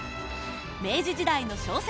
明治時代の小説